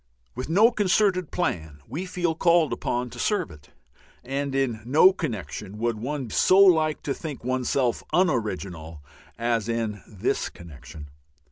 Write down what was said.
With no concerted plan we feel called upon to serve it. And in no connection would one so like to think oneself un original as in this connection.